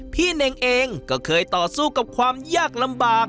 เน่งเองก็เคยต่อสู้กับความยากลำบาก